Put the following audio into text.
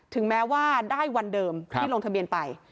ถึงแม้ว่าได้วันเดิมที่ลงทะเบียนไป